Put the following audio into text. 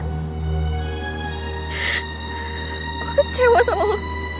gue kecewa sama lo